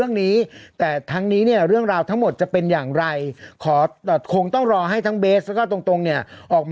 อืมอืมอืมอืมอืม